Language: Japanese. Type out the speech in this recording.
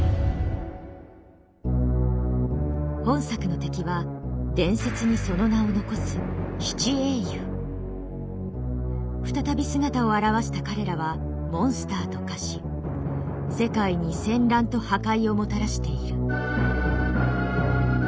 本作の敵は伝説にその名を残す再び姿を現した彼らはモンスターと化し世界に戦乱と破壊をもたらしている。